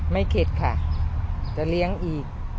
เคล็ดค่ะจะเลี้ยงอีก